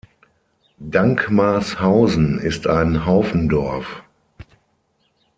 Dankmarshausen ist ein Haufendorf.